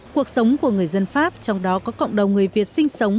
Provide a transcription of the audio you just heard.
cuộc sống của người dân pháp trong đó có cộng đồng người việt sinh sống